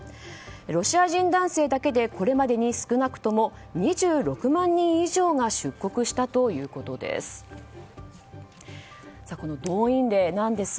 ロシア人男性だけで、これまでに少なくとも２６万人以上が出国したということです。